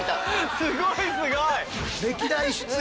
すごいすごい。